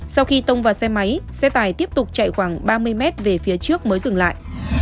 sau khi tông vào xe máy xe tải tiếp tục chạy khoảng ba mươi mét về phía trước mới dừng lại